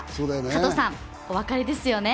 加藤さん、お分かりですよね。